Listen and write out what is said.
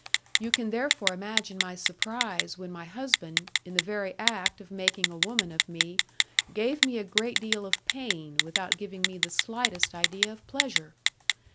You can therefore imagine my surprise when my husband, in the very act of making a woman of me, gave me a great deal of pain without giving me the slightest idea of pleasure!